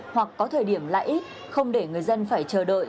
hoặc có thời điểm lãi ít không để người dân phải chờ đợi